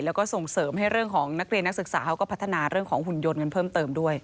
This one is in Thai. แล้วก็ส่งเสริมให้เรื่องของนักเรียนนักศึกษาเขาก็พัฒนาเรื่องของหุ่นยนต์กันเพิ่มเติมด้วย